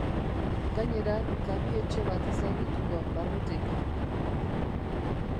Gainera, kabi-etxe bat ezagutuko barrutik.